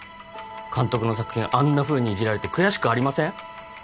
監督の作品あんなふうにイジられて悔しくありません？